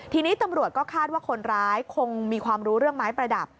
ทีนี้ตำรวจก็คาดว่าคนร้ายคงมีความรู้เรื่องไม้ประดับ